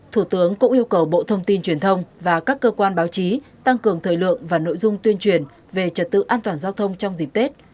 thủ tướng cũng yêu cầu bộ thông tin truyền thông và các cơ quan báo chí tăng cường thời lượng và nội dung tuyên truyền về trật tự an toàn giao thông trong dịp tết